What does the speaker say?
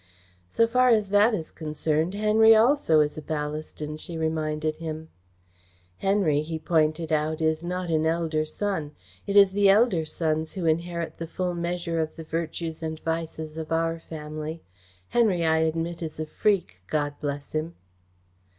"So far as that is concerned, Henry also is a Ballaston," she reminded him. "Henry," he pointed out, "is not an elder son. It is the elder sons who inherit the full measure of the virtues and vices of our family. Henry, I admit, is a freak, God bless him!"